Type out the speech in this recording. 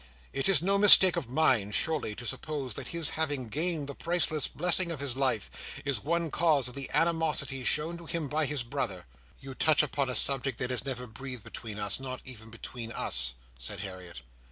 It is no mistake of mine, surely, to suppose that his having gained the priceless blessing of his life, is one cause of the animosity shown to him by his brother." "You touch upon a subject that is never breathed between us; not even between us," said Harriet.